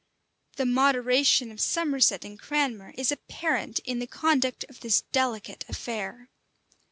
The moderation of Somerset and Cranmer is apparent in the conduct of this delicate affair.